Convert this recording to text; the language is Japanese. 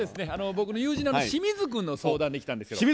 僕の友人の清水君の相談で来たんですよ。